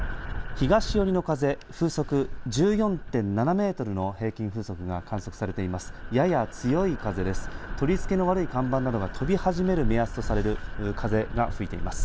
東寄りの風、風速１４．７メートルの平均風速が観測されています。